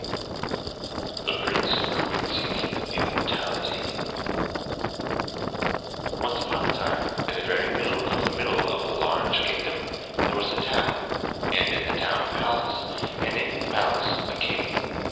] The Prince Who Would Seek Immortality Once upon a time, in the very middle of the middle of a large kingdom, there was a town, and in the town a palace, and in the palace a king.